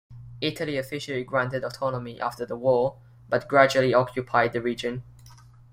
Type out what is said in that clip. Italy officially granted autonomy after the war, but gradually occupied the region.